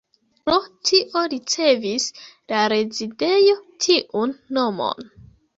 Pro tio ricevis la rezidejo tiun nomon.